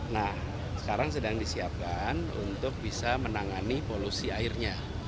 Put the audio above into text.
nah sekarang sedang disiapkan untuk bisa menangani polusi airnya